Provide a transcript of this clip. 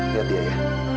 lihat dia ya